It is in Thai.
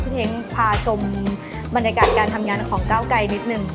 เท้งพาชมบรรยากาศการทำงานของก้าวไกลนิดนึง